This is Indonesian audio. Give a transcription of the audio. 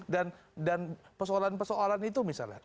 dan persoalan persoalan itu misalnya